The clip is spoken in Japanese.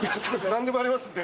何でもやりますんで。